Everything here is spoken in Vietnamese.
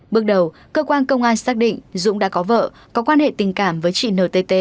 bước đầu cơ quan công an xác định dũng đã có vợ có quan hệ tình cảm với chị ntt